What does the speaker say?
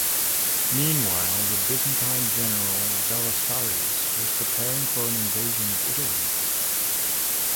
Meanwhile, the Byzantine general Belisarius was preparing for an invasion of Italy.